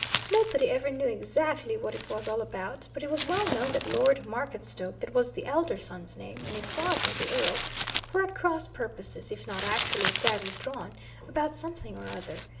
Nobody ever knew exactly what it was all about, but it was well known that Lord Marketstoke that was the elder son's name and his father, the Earl, were at cross purposes, if not actually at daggers drawn, about something or other.